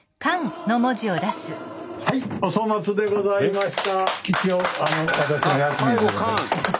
はいお粗末でございました。